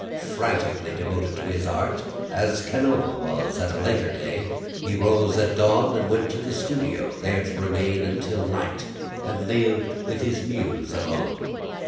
Fanatically devoted to his art, as Canova was at a later day, he rose at dawn and went to the studio, there to remain until night, and lived with his muse alone.